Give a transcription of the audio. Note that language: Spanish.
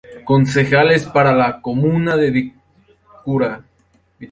Concejales para la comuna de Vitacura